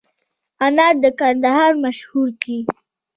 انار د کندهار مشهور دي